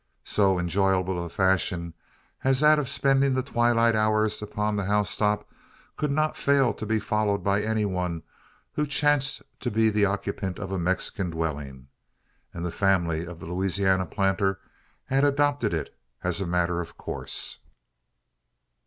So enjoyable a fashion, as that of spending the twilight hours upon the housetop, could not fail to be followed by any one who chanced to be the occupant of a Mexican dwelling; and the family of the Louisiana planter had adopted it, as a matter of course.